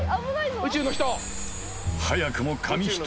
宇宙の人。